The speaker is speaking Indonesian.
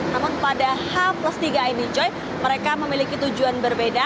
namun pada h tiga ini joy mereka memiliki tujuan berbeda